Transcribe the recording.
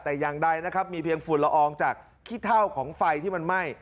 แต่อย่างใดนะครับมีเพียงฝุ่นละอองจากขี้เท่าของไฟที่มันไหม้